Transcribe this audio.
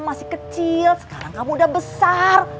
masih kecil sekarang kamu udah besar